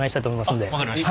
分かりました。